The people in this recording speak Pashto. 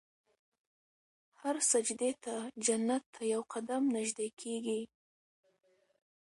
هر سجدې ته جنت ته یو قدم نژدې کېږي.